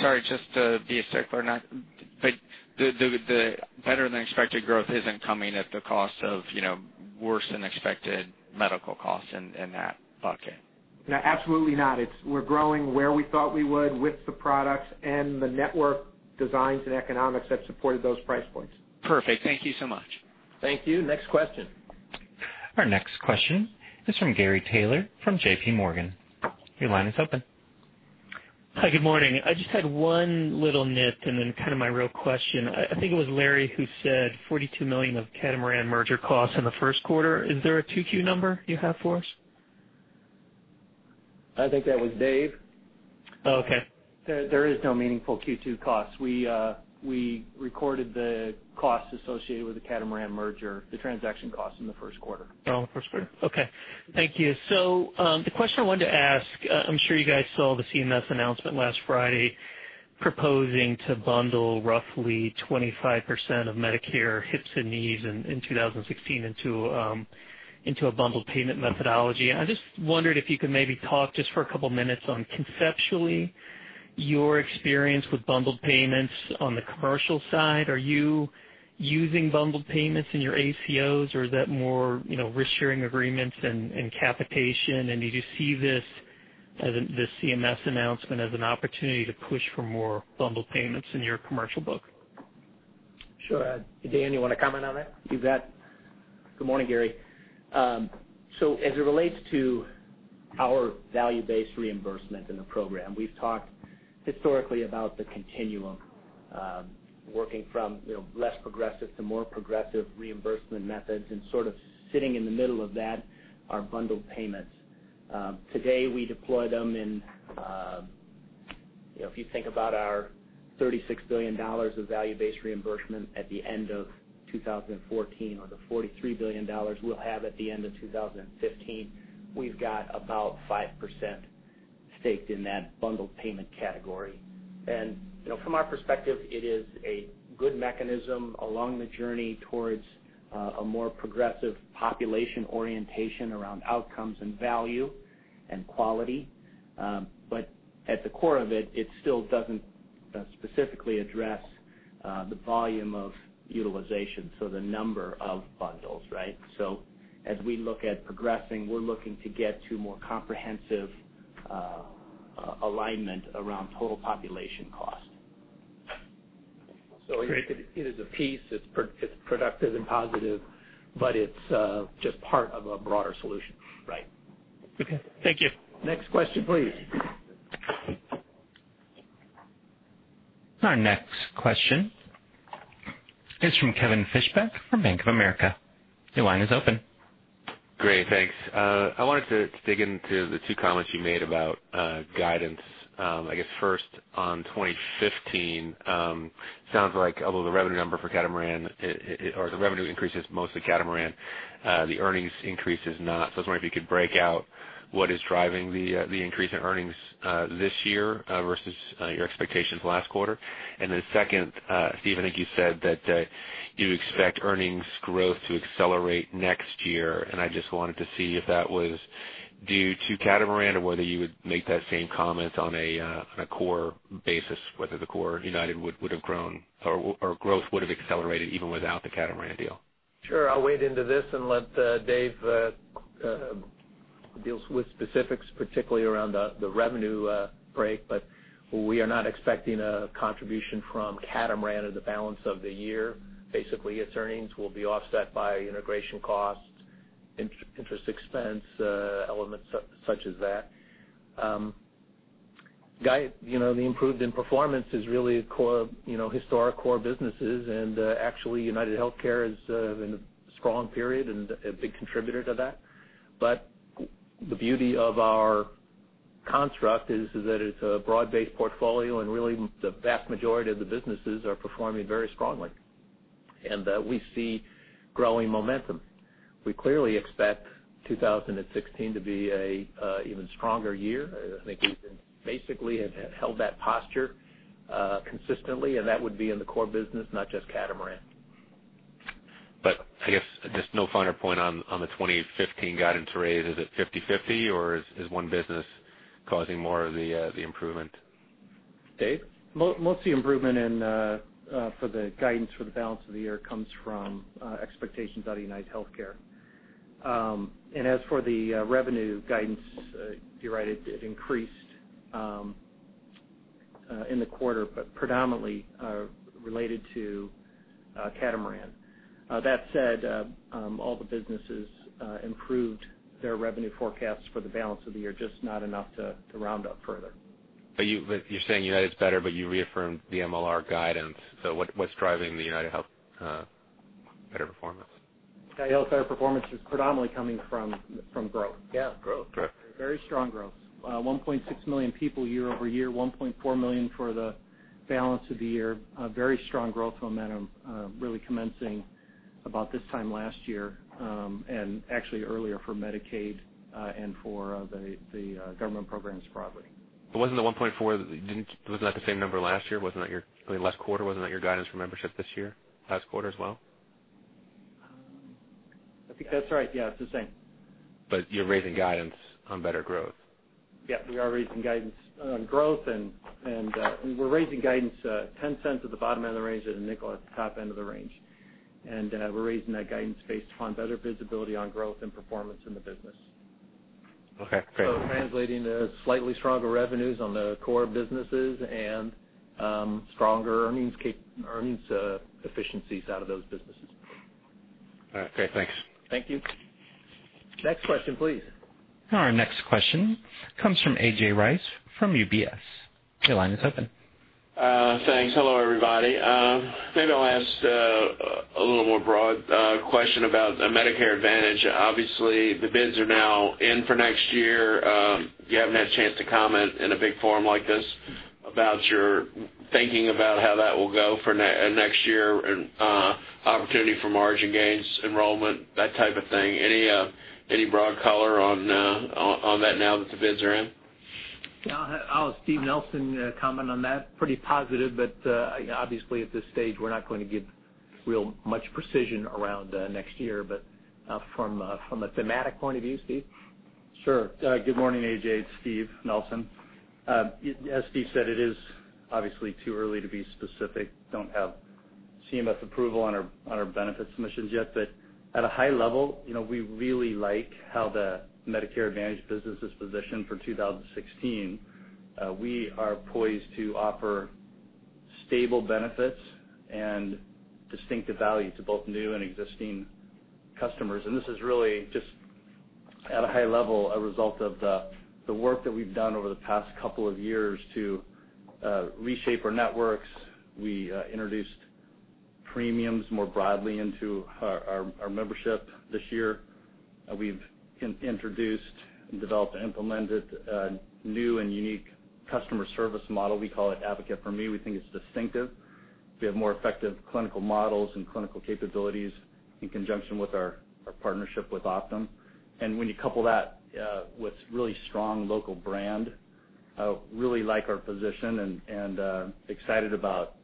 Sorry, just to be a stickler, the better-than-expected growth isn't coming at the cost of worse-than-expected medical costs in that bucket. No, absolutely not. We're growing where we thought we would with the products and the network designs and economics that supported those price points. Perfect. Thank you so much. Thank you. Next question. Our next question is from Gary Taylor from JPMorgan. Your line is open. Hi, good morning. I just had one little nit, and then kind of my real question. I think it was Larry who said $42 million of Catamaran merger costs in the first quarter. Is there a 2Q number you have for us? I think that was Dave. Okay. There is no meaningful Q2 cost. We recorded the cost associated with the Catamaran merger, the transaction cost in the first quarter. First quarter. Okay. Thank you. The question I wanted to ask, I'm sure you guys saw the CMS announcement last Friday proposing to bundle roughly 25% of Medicare hips and knees in 2016 into a bundled payment methodology. I just wondered if you could maybe talk just for a couple of minutes on conceptually, your experience with bundled payments on the commercial side. Are you using bundled payments in your ACOs or is that more risk-sharing agreements and capitation? Did you see this CMS announcement as an opportunity to push for more bundled payments in your commercial book? Sure. Dan, you want to comment on that? You bet. Good morning, Gary. As it relates to our value-based reimbursement in the program, we've talked historically about the continuum, working from less progressive to more progressive reimbursement methods, and sort of sitting in the middle of that are bundled payments. Today, we deploy them in, if you think about our $36 billion of value-based reimbursement at the end of 2014 or the $43 billion we'll have at the end of 2015, we've got about 5% staked in that bundled payment category. From our perspective, it is a good mechanism along the journey towards a more progressive population orientation around outcomes and value and quality. At the core of it still doesn't specifically address the volume of utilization, so the number of bundles, right? As we look at progressing, we're looking to get to more comprehensive alignment around total population cost. It is a piece, it's productive and positive, but it's just part of a broader solution. Right. Okay. Thank you. Next question, please. Our next question is from Kevin Fischbeck from Bank of America. Your line is open. Great. Thanks. I wanted to dig into the two comments you made about guidance. I guess first on 2015, sounds like although the revenue number for Catamaran, or the revenue increase is mostly Catamaran, the earnings increase is not. I was wondering if you could break out what is driving the increase in earnings this year versus your expectations last quarter. Second, Steve, I think you said that you expect earnings growth to accelerate next year. I just wanted to see if that was due to Catamaran or whether you would make that same comment on a core basis, whether the core United would have grown or growth would have accelerated even without the Catamaran deal? Sure. I'll wade into this and let Dave deals with specifics, particularly around the revenue break. We are not expecting a contribution from Catamaran or the balance of the year. Basically, its earnings will be offset by integration costs, interest expense, elements such as that. The improved in performance is really core, historic core businesses, and actually, UnitedHealthcare is in a strong period and a big contributor to that. The beauty of our construct is that it's a broad-based portfolio, and really the vast majority of the businesses are performing very strongly, and we see growing momentum. We clearly expect 2016 to be an even stronger year. I think we basically have held that posture consistently, and that would be in the core business, not just Catamaran. I guess just no finer point on the 2015 guidance raise. Is it 50/50, or is one business causing more of the improvement? Dave? Most of the improvement for the guidance for the balance of the year comes from expectations out of UnitedHealthcare. As for the revenue guidance, you're right, it increased in the quarter but predominantly related to Catamaran. That said, all the businesses improved their revenue forecasts for the balance of the year, just not enough to round up further. You're saying United's better, but you reaffirmed the MLR guidance. What's driving the UnitedHealth better performance? UnitedHealthcare performance is predominantly coming from growth. Yeah, growth. Growth. Very strong growth. 1.6 million people year-over-year, 1.4 million for the balance of the year. Very strong growth momentum really commencing about this time last year, and actually earlier for Medicaid and for the government programs broadly. Wasn't the 1.4, wasn't that the same number last year? Wasn't that your last quarter? Wasn't that your guidance for membership this year, last quarter as well? I think that's right. Yeah. It's the same. You're raising guidance on better growth. Yeah, we are raising guidance on growth. We're raising guidance $0.10 at the bottom end of the range and $0.05 at the top end of the range. We're raising that guidance based upon better visibility on growth and performance in the business. Okay, great. Translating to slightly stronger revenues on the core businesses and stronger earnings efficiencies out of those businesses. All right, great. Thanks. Thank you. Next question, please. Our next question comes from A.J. Rice from UBS. Your line is open. Thanks. Hello, everybody. I'll ask a little more broad question about Medicare Advantage. Obviously, the bids are now in for next year. You haven't had a chance to comment in a big forum like this about your thinking about how that will go for next year and opportunity for margin gains, enrollment, that type of thing. Any broad color on that now that the bids are in? I'll have Steve Nelson comment on that. Pretty positive. Obviously at this stage, we're not going to give real much precision around next year. From a thematic point of view, Steve? Sure. Good morning, A.J., it's Steve Nelson. As Steve said, it is obviously too early to be specific. Don't have CMS approval on our benefits submissions yet. At a high level, we really like how the Medicare Advantage business is positioned for 2016. We are poised to offer stable benefits and distinctive value to both new and existing customers. This is really just at a high level, a result of the work that we've done over the past couple of years to reshape our networks. We introduced premiums more broadly into our membership this year. We've introduced and developed and implemented a new and unique customer service model. We call it Advocate4Me. We think it's distinctive. We have more effective clinical models and clinical capabilities in conjunction with our partnership with Optum. When you couple that with really strong local brand, really like our position and excited about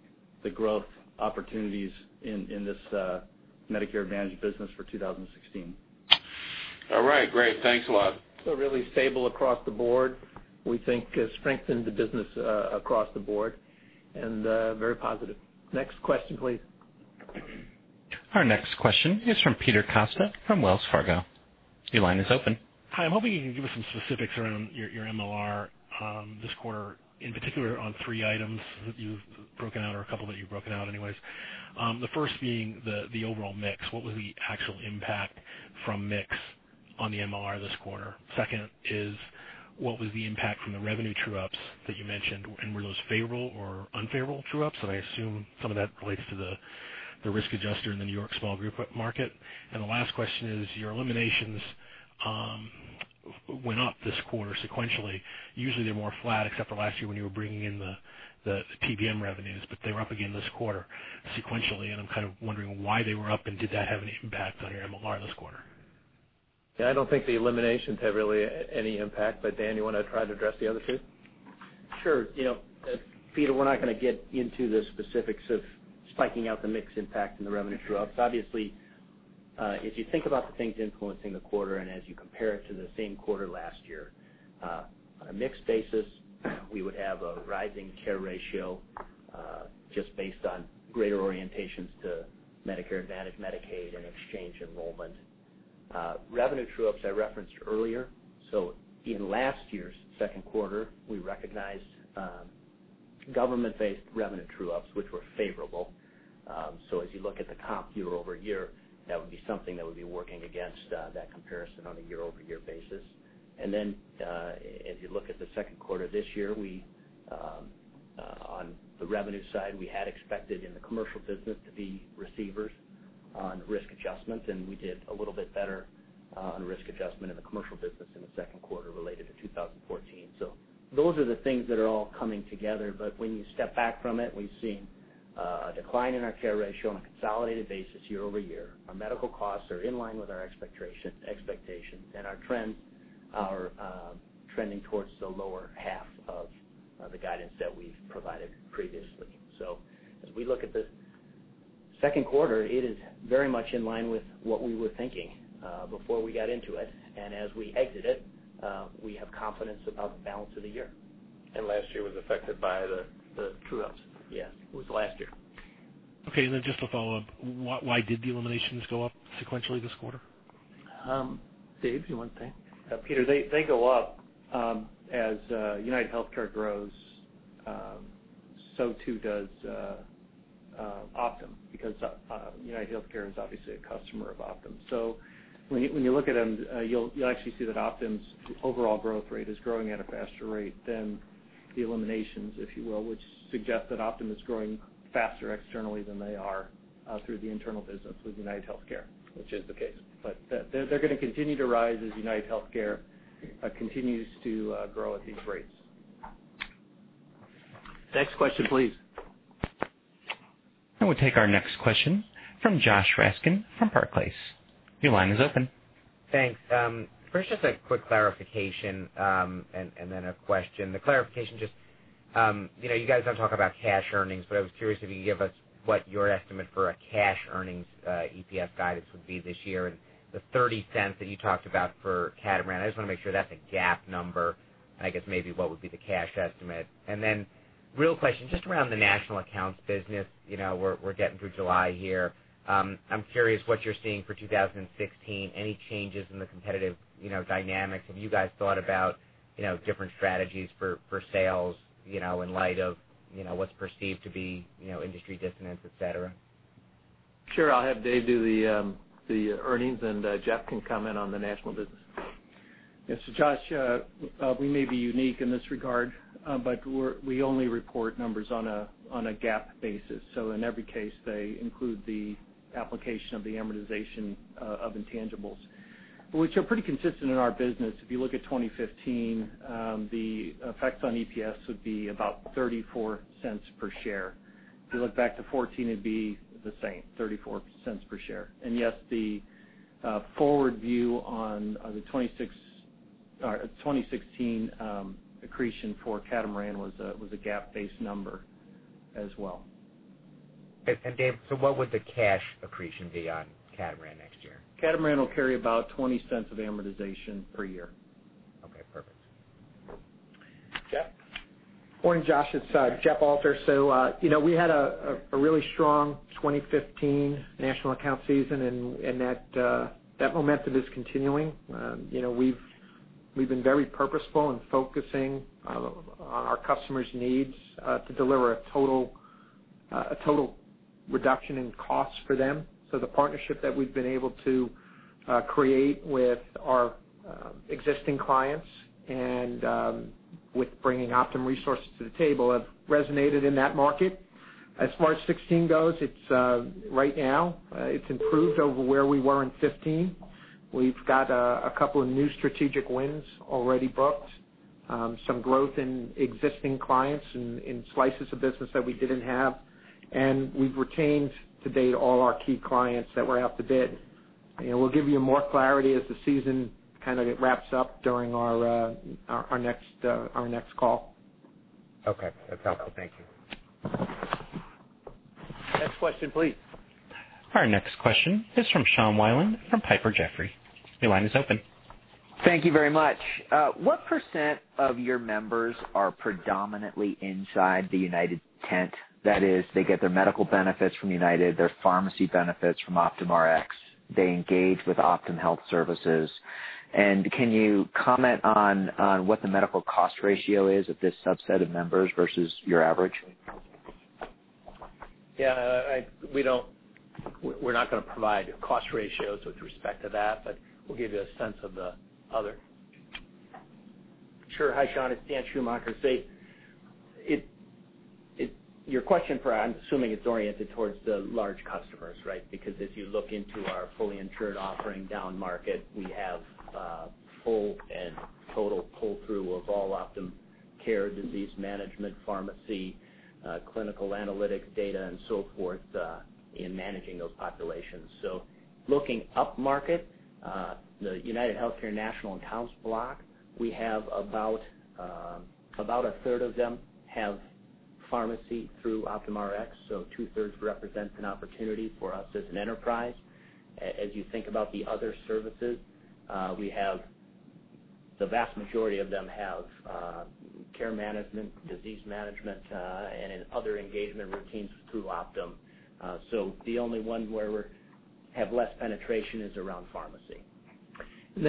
the growth opportunities in this Medicare Advantage business for 2016. All right, great. Thanks a lot. Really stable across the board. We think strengthened the business across the board and very positive. Next question, please. Our next question is from Peter Costa from Wells Fargo. Your line is open. Hi. I'm hoping you can give us some specifics around your MLR this quarter, in particular on three items that you've broken out or a couple that you've broken out anyways. The first being the overall mix. What was the actual impact from mix on the MLR this quarter? Second is what was the impact from the revenue true-ups that you mentioned, and were those favorable or unfavorable true-ups? I assume some of that relates to the risk adjuster in the New York small group market. The last question is your eliminations went up this quarter sequentially. Usually, they're more flat except for last year when you were bringing in the PBM revenues, but they were up again this quarter sequentially, and I'm kind of wondering why they were up and did that have any impact on your MLR this quarter? Yeah, I don't think the eliminations had really any impact. Dan, you want to try to address the other two? Sure. Peter, we're not going to get into the specifics of spiking out the mix impact and the revenue true-ups. Obviously, if you think about the things influencing the quarter, and as you compare it to the same quarter last year. On a mix basis, we would have a rising care ratio, just based on greater orientations to Medicare Advantage, Medicaid, and exchange enrollment. Revenue true-ups I referenced earlier. In last year's second quarter, we recognized government-based revenue true-ups, which were favorable. As you look at the comp year-over-year, that would be something that would be working against that comparison on a year-over-year basis. As you look at the second quarter this year, on the revenue side, we had expected in the commercial business to be receivers on risk adjustment, and we did a little bit better on risk adjustment in the commercial business in the second quarter related to 2014. Those are the things that are all coming together, but when you step back from it, we've seen a decline in our care ratio on a consolidated basis year-over-year. Our medical costs are in line with our expectations, and our trends are trending towards the lower half of the guidance that we've provided previously. As we look at the second quarter, it is very much in line with what we were thinking before we got into it. As we exit it, we have confidence about the balance of the year. Last year was affected by the The true-ups. Yeah. It was last year. Just a follow-up. Why did the eliminations go up sequentially this quarter? Dave, you want to take? Peter, they go up. As UnitedHealthcare grows, so too does Optum, because UnitedHealthcare is obviously a customer of Optum. When you look at them, you'll actually see that Optum's overall growth rate is growing at a faster rate than the eliminations, if you will, which suggests that Optum is growing faster externally than they are through the internal business with UnitedHealthcare, which is the case. They're going to continue to rise as UnitedHealthcare continues to grow at these rates. Next question, please. We'll take our next question from Josh Raskin from Barclays. Your line is open. Thanks. First, just a quick clarification, then a question. The clarification, just you guys don't talk about cash earnings, but I was curious if you could give us what your estimate for a cash earnings EPS guidance would be this year, and the $0.30 that you talked about for Catamaran. I just want to make sure that's a GAAP number, and I guess maybe what would be the cash estimate. Then real question, just around the national accounts business. We're getting through July here. I'm curious what you're seeing for 2016. Any changes in the competitive dynamics? Have you guys thought about different strategies for sales, in light of what's perceived to be industry dissonance, et cetera? Sure. I'll have Dave do the earnings, and Jeff can comment on the national business. Yes. Josh, we may be unique in this regard, but we only report numbers on a GAAP basis. In every case they include the application of the amortization of intangibles. Which are pretty consistent in our business. If you look at 2015, the effects on EPS would be about $0.34 per share. If you look back to 2014, it would be the same, $0.34 per share. Yes, the forward view on the 2016 accretion for Catamaran was a GAAP-based number as well. Dave, what would the cash accretion be on Catamaran next year? Catamaran will carry about $0.20 of amortization per year. Okay, perfect. Jeff? Morning, Josh. It's Jeff Alter. We had a really strong 2015 national account season, and that momentum is continuing. We've been very purposeful in focusing on our customers' needs, to deliver a total reduction in costs for them. The partnership that we've been able to create with our existing clients and with bringing Optum resources to the table have resonated in that market. As far as 2016 goes, right now, it's improved over where we were in 2015. We've got a couple of new strategic wins already booked, some growth in existing clients in slices of business that we didn't have. We've retained to date all our key clients that were out to bid. We'll give you more clarity as the season kind of wraps up during our next call. Okay. That's helpful. Thank you. Next question, please. Our next question is from Sean Wieland from Piper Jaffray. Your line is open. Thank you very much. What % of your members are predominantly inside the United tent? That is, they get their medical benefits from United, their pharmacy benefits from Optum Rx. They engage with Optum Health Services. Can you comment on what the medical cost ratio is of this subset of members versus your average? Yeah. We're not going to provide cost ratios with respect to that, but we'll give you a sense of the other. Sure. Hi, Sean, it's Dan Schumacher. Your question, I'm assuming it's oriented towards the large customers, right? As you look into our fully insured offering down market, we have full and total pull-through of all Optum Care, disease management, pharmacy, clinical analytics data, and so forth, in managing those populations. Looking up market, the UnitedHealthcare national accounts block, we have about a third of them have Pharmacy through Optum Rx. Two-thirds represents an opportunity for us as an enterprise. As you think about the other services, the vast majority of them have care management, disease management, and other engagement routines through Optum. The only one where we have less penetration is around pharmacy. On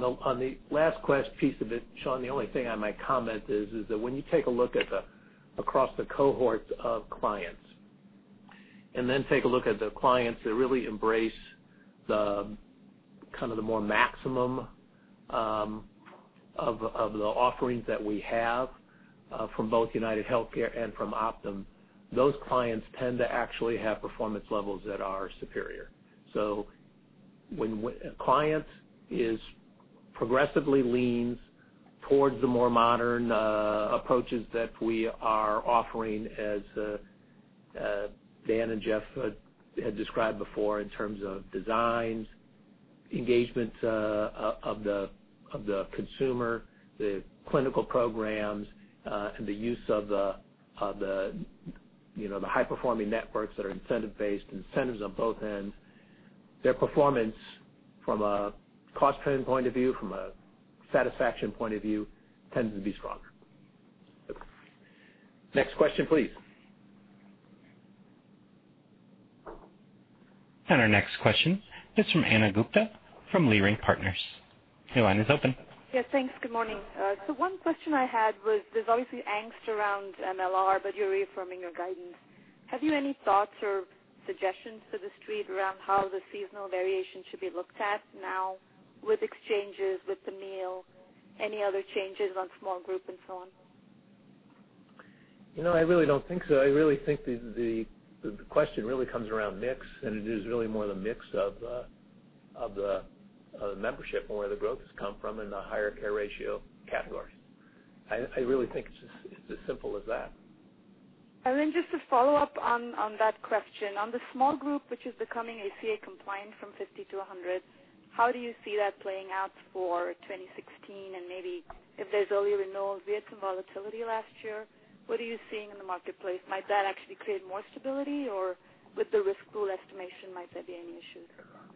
the last piece of it, Sean, the only thing I might comment is that when you take a look across the cohorts of clients, and then take a look at the clients that really embrace the more maximum of the offerings that we have from both UnitedHealthcare and from Optum, those clients tend to actually have performance levels that are superior. When a client progressively leans towards the more modern approaches that we are offering, as Dan and Jeff had described before, in terms of designs, engagement of the consumer, the clinical programs, and the use of the high-performing networks that are incentive-based, incentives on both ends, their performance from a cost trend point of view, from a satisfaction point of view, tends to be stronger. Next question, please. Our next question is from Ana Gupte from Leerink Partners. Your line is open. Yeah, thanks. Good morning. One question I had was, there's obviously angst around MLR, but you're reaffirming your guidance. Have you any thoughts or suggestions for the street around how the seasonal variation should be looked at now with exchanges, with the ACA, any other changes on small group and so on? I really don't think so. I really think the question really comes around mix, and it is really more the mix of the membership and where the growth has come from in the higher care ratio categories. I really think it's as simple as that. Just to follow up on that question. On the small group, which is becoming ACA compliant from 50 to 100, how do you see that playing out for 2016? Maybe if there's early renewals, we had some volatility last year. What are you seeing in the marketplace? Might that actually create more stability? With the risk pool estimation, might there be any issues around it? Hey,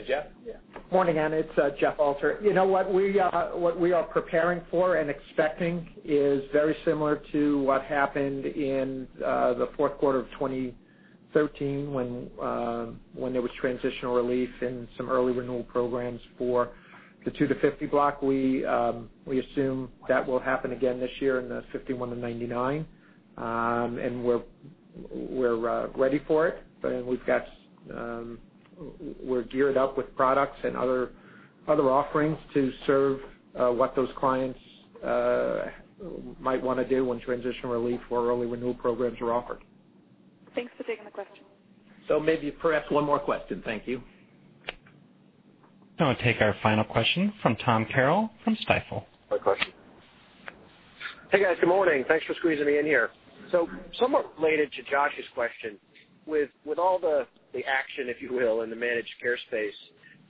Jeff? Yeah. Morning, Ana. It's Jeff Alter. What we are preparing for and expecting is very similar to what happened in the fourth quarter of 2013 when there was transitional relief and some early renewal programs for the two to 50 block. We assume that will happen again this year in the 51 to 99. We're ready for it. We're geared up with products and other offerings to serve what those clients might want to do when transitional relief or early renewal programs are offered. Thanks for taking the question. Maybe perhaps one more question. Thank you. I'll take our final question from Tom Carroll from Stifel. My question. Hey, guys. Good morning. Thanks for squeezing me in here. Somewhat related to Josh's question, with all the action, if you will, in the managed care space,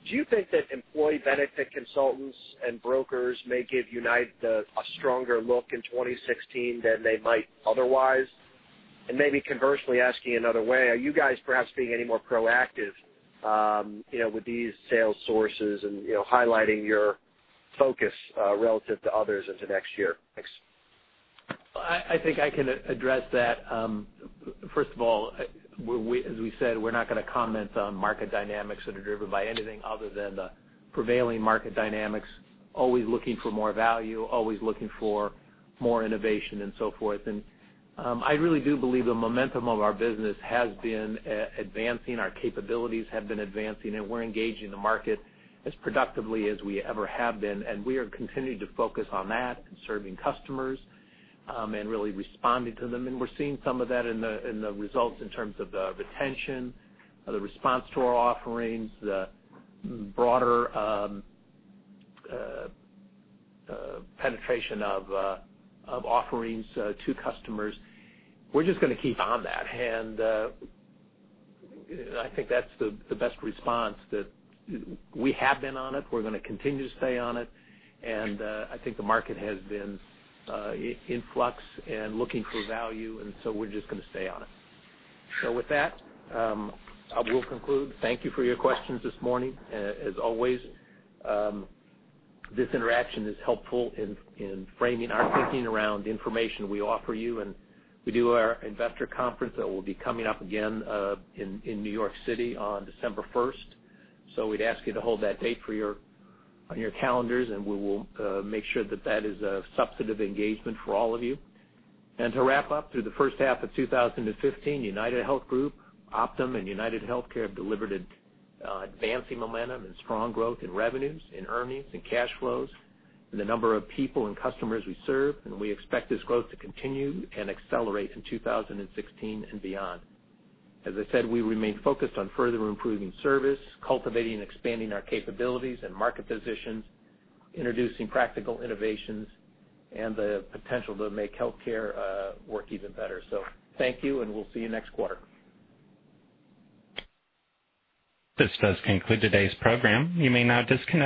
do you think that employee benefit consultants and brokers may give United a stronger look in 2016 than they might otherwise? Maybe conversely asking another way, are you guys perhaps being any more proactive with these sales sources and highlighting your focus relative to others into next year? Thanks. I think I can address that. First of all, as we said, we're not going to comment on market dynamics that are driven by anything other than the prevailing market dynamics, always looking for more value, always looking for more innovation and so forth. I really do believe the momentum of our business has been advancing, our capabilities have been advancing, and we're engaging the market as productively as we ever have been. We are continuing to focus on that and serving customers and really responding to them. We're seeing some of that in the results in terms of the retention, the response to our offerings, the broader penetration of offerings to customers. We're just going to keep on that. I think that's the best response, that we have been on it, we're going to continue to stay on it, and I think the market has been in flux and looking for value, and so we're just going to stay on it. With that, I will conclude. Thank you for your questions this morning. As always, this interaction is helpful in framing our thinking around the information we offer you, and we do our investor conference that will be coming up again in New York City on December 1st. We'd ask you to hold that date on your calendars, and we will make sure that that is a substantive engagement for all of you. To wrap up, through the first half of 2015, UnitedHealth Group, Optum, and UnitedHealthcare have delivered advancing momentum and strong growth in revenues, in earnings, in cash flows, in the number of people and customers we serve. We expect this growth to continue and accelerate in 2016 and beyond. As I said, we remain focused on further improving service, cultivating and expanding our capabilities and market positions, introducing practical innovations, and the potential to make healthcare work even better. Thank you, and we'll see you next quarter. This does conclude today's program. You may now disconnect.